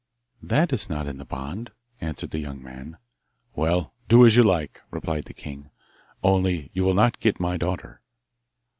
'That is not in the bond,' answered the young man. 'Well, do as you like,' replied the king, 'only you will not get my daughter.